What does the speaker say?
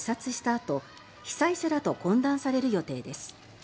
あと被災者らと懇談される予定です。